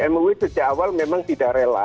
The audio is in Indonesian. mui sejak awal memang tidak rela